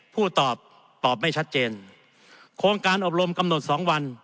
ตอบตอบไม่ชัดเจนโครงการอบรมกำหนดสองวัน